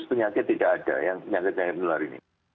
penyakit tidak ada yang penyakit yang menular ini